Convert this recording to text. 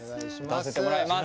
歌わせてもらいます！